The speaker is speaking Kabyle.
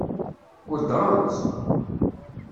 Weddṛen-tt?